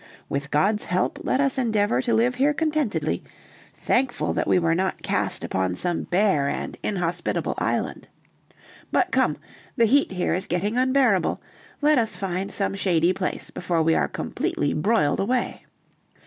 With God's help, let us endeavor to live here contentedly, thankful that we were not cast upon some bare and inhospitable island. But come, the heat here is getting unbearable; let us find some shady place before we are completely broiled away."